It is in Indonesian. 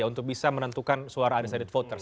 untuk bisa menentukan suara undecided voters